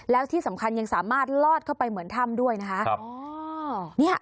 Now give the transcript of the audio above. แล้วที่สำคัญยังสามารถลอดเข้าไปเหมือนถ้ำด้วยนะคะ